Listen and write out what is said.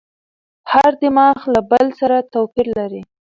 هر دماغ له بل سره توپیر لري.